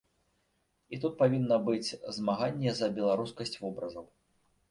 І тут павінна быць змаганне за беларускасць вобразаў.